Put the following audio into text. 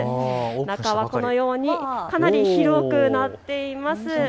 中はこのようにかなり広くなっています。